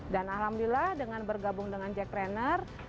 dan alhamdulillah dengan bergabung dengan jack trainer